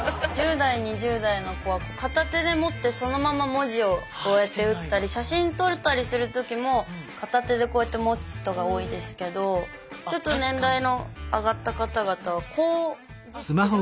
１０代２０代の子は片手で持ってそのまま文字をこうやって打ったり写真撮ったりする時も片手でこうやって持つ人が多いですけどちょっと年代の上がった方々はこういじってる。